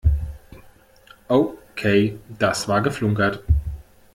Okay, das war geflunkert.